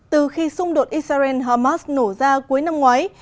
từ khi xung đột israel hamas nổ ra cuối năm ngoái